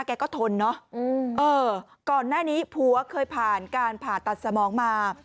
แกก็ทนเนอะเออก่อนหน้านี้ผัวเคยผ่านการผ่าตัดสมองมา